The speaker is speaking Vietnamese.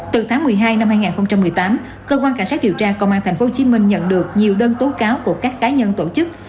từ tháng một mươi hai năm hai nghìn một mươi tám cơ quan cảnh sát điều tra công an tp hcm nhận được nhiều đơn tố cáo của các cá nhân tổ chức